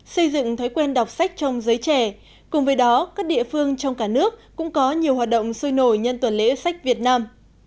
xây dựng thói quen đọc sách trong giới trẻ cùng với đó các địa phương trong cả nước cũng có nhiều hoạt động sôi nổi nhân tuần lễ sách việt nam